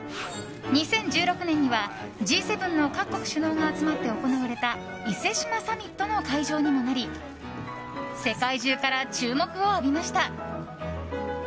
２０１６年にはＧ７の各国首脳が集まって行われた伊勢志摩サミットの会場にもなり世界中から注目を浴びました。